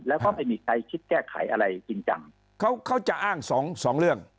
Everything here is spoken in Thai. แล้วก็ไม่มีใครคิดแก้ไขอะไรจริงจังเขาเขาจะอ้างสองสองเรื่อง